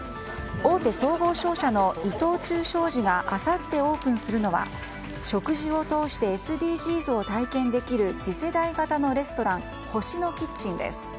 大手総合商社の伊藤忠商事があさってオープンするのは食事を通してＳＤＧｓを体験できる次世代型のレストラン「星のキッチン」です。